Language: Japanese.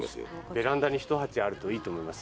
ベランダに１鉢あるといいと思いますよ。